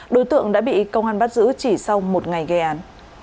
đối tượng đã bị công an bắt giữ chỉ sau một ngày gây án